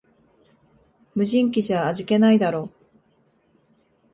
無人機じゃ味気ないだろ